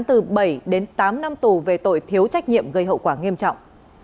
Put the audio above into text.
từ bảy đến tám năm tù về tội thiếu trách nhiệm gây hậu quả nghiêm trọng